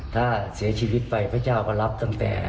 ถ้าเสียชีวิตไปพระเจ้าก็รับตั้งแต่